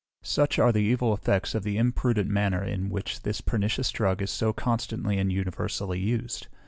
Such are the evil effects of the imprudent manner in which this pernicious drug is so constantly and universally used.